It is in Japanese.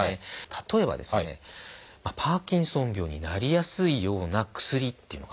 例えばですねパーキンソン病になりやすいような薬っていうのがあるんです。